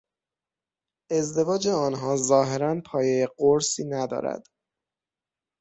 ازدواج آنها ظاهرا پایهی قرصی ندارد.